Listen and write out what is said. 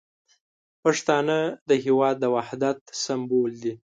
پښتانه د هیواد د وحدت سمبول دي.